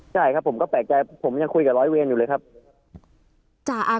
ใช่ครับผมก็แปลกใจผมยังคุยกับร้อยเวรอยู่เลยครับ